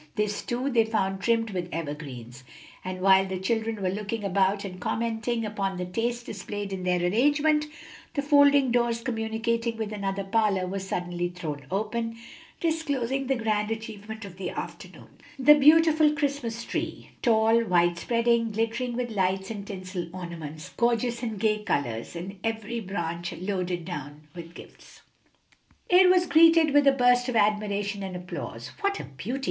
This, too, they found trimmed with evergreens, and while the children were looking about and commenting upon the taste displayed in their arrangement, the folding doors communicating with another parlor were suddenly thrown open, disclosing the grand achievement of the afternoon the beautiful Christmas tree tall, wide spreading, glittering with lights and tinsel ornaments, gorgeous with gay colors, and every branch loaded down with gifts. It was greeted with a burst of admiration and applause. "What a beauty!"